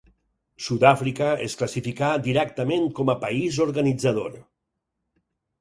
Sud-àfrica es classificà directament com a país organitzador.